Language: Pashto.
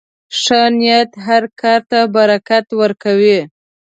ښه نیت هر کار ته برکت ورکوي.